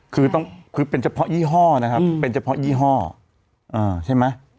คือต้องคือเป็นเฉพาะยี่ห้อนะครับเป็นเฉพาะยี่ห้อใช่ไหม